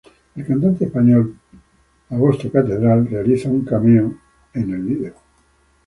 El cantante español Julio Iglesias realiza un cameo en el video.